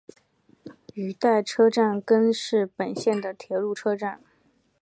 羽带车站根室本线的铁路车站。